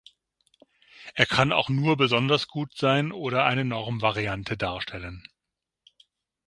Er kann auch nur besonders gut sein oder eine Normvariante darstellen.